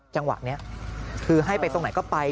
จังหวะนี้คือให้ไปตรงไหนก็ไป